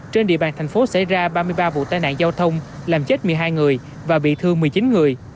trên địa bàn thành phố xảy ra ba mươi ba vụ tai nạn giao thông làm chết một mươi hai người và bị thương một mươi chín người